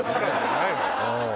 ないわよ。